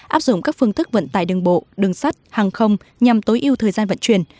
áp dụng các phương thức vận tải đường bộ đường sắt hàng không nhằm tối ưu thời gian vận chuyển